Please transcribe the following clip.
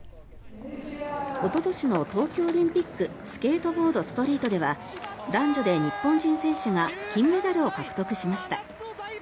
おととしの東京オリンピックスケートボード・ストリートでは男女で日本人選手が金メダルを獲得しました。